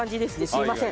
すいません。